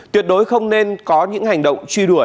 tuyệt đối không nên có những hành động chuyên